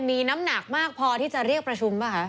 มีน้ำหนักมากพอที่จะเรียกประชุมป่ะคะ